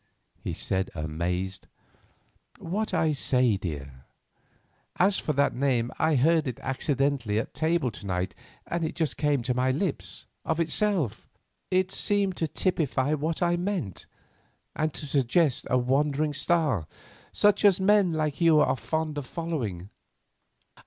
he said amazed. "What I say, dear. As for that name, I heard it accidentally at table to night, and it came to my lips—of itself. It seemed to typify what I meant, and to suggest a wandering star—such as men like you are fond of following."